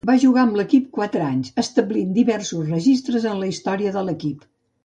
Va jugar amb l'equip quatre anys, establint diversos registres en la història de l'equip.